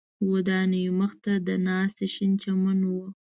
ودانیو مخ ته د ناستي شین چمن و.